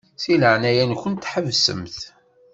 Di leɛnaya-nkent ḥebsemt.